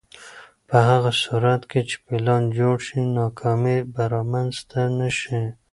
په هغه صورت کې چې پلان جوړ شي، ناکامي به رامنځته نه شي.